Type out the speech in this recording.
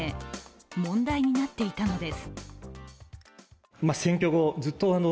問題になっていたのです。